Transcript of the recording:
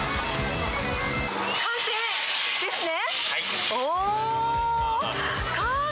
完成、ですね。